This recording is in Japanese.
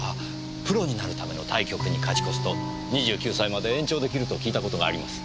プロになるための対局に勝ち越すと２９歳まで延長出来ると聞いた事があります。